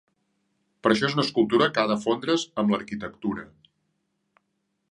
Per això és una escultura que ha de fondre's amb l'arquitectura.